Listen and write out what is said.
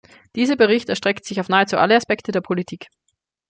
Dieser Bericht erstreckt sich auf nahezu alle Aspekte der Politik.